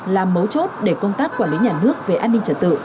là mấu chốt để công tác quản lý nhà nước về an ninh trật tự